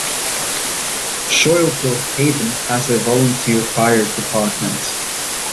Schuylkill Haven has a volunteer fire department.